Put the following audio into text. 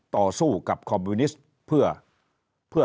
ต่อสู้กับคอมมิวนิสต์เพื่อ